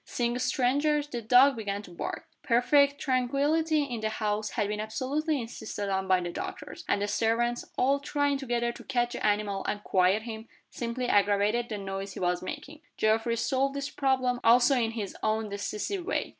Seeing strangers, the dog began to bark. Perfect tranquillity in the house had been absolutely insisted on by the doctors; and the servants, all trying together to catch the animal and quiet him, simply aggravated the noise he was making. Geoffrey solved this problem also in his own decisive way.